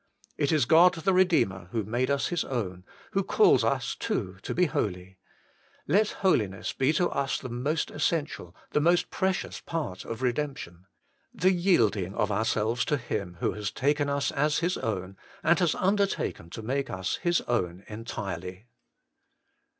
It is God the Redeemer who made us His own, who calls us too to be holy: let Holiness be to us the most essential, the most precious part of redemption : the yielding of ourselves to Him who has taken us as His own, and has undertaken to make us His own entirely.